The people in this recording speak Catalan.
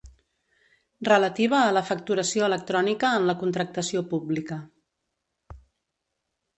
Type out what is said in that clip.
Relativa a la facturació electrònica en la contractació pública.